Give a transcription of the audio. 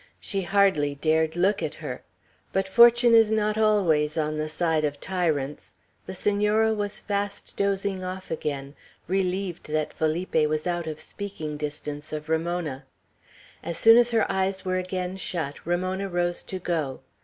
She hardly dared look at her. But fortune is not always on the side of tyrants. The Senora was fast dozing off again, relieved that Felipe was out of speaking distance of Ramona. As soon as her eyes were again shut, Ramona rose to go.